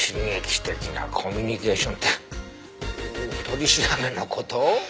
刺激的なコミュニケーションって取り調べの事？